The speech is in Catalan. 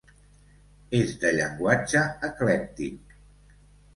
És de llenguatge eclèctic.